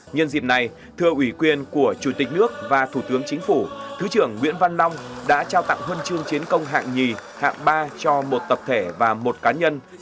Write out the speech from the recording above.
nhân dịp này thưa ủy quyền của chủ tịch nước và thủ tướng chính phủ thứ trưởng nguyễn văn long đã trao tặng huân chương chiến công hạng hai hạng ba cho một tập thể và một cá nhân